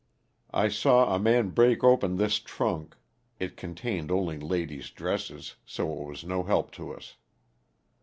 I saw a man break open this trunk, it contained only ladies' dresses so it was no help to us.